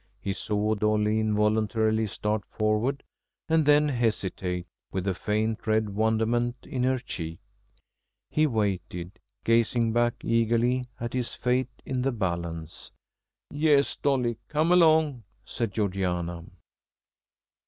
He saw Dolly involuntarily start forward and then hesitate, with a faint red wonderment in her cheek. He waited, gazing back eagerly at his fate in the balance. "Yes, Dolly come along!" said Georgiana.